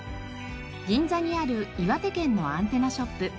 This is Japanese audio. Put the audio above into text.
銀座にある岩手県のアンテナショップ。